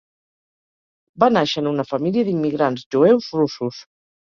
Va nàixer en una família d'immigrants jueus russos.